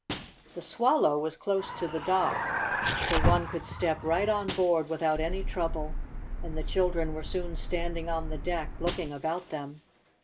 The Swallow was close to the dock, so one could step right on board without any trouble, and the children were soon standing on the deck, looking about them.